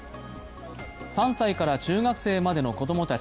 ３歳から中学生までの子供たち